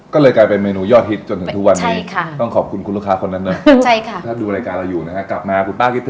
ก็เลยกลายเป็นเมนูยอดฮิตจนถึงทุกวันนี้ค่ะ